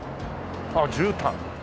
ああじゅうたん。